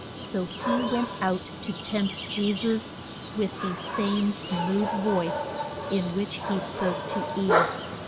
So he went out to tempt Je sus, with the same smooth voice in which he spoke to Eve.